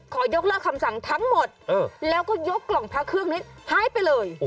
ยกเลิกคำสั่งทั้งหมดแล้วก็ยกกล่องพระเครื่องนี้หายไปเลย